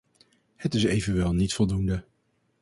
Het is evenwel niet voldoende.